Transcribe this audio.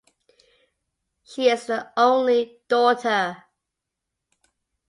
She is the only daughter.